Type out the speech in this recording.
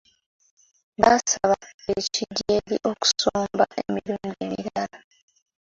Baasaba ekidyeri okusomba emirundi emirala.